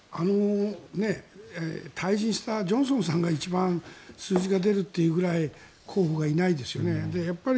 退陣したジョンソンさんが一番数字が出るっていうぐらい候補がいないんですよね。